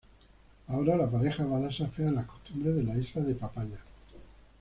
Ahora la pareja va a desafiar las costumbres de la Isla de Papaya.